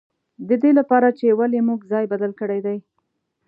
د دې له پاره چې ولې موږ ځای بدل کړی دی.